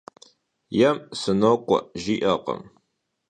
Yêm «sınok'ue» jji'erkhım.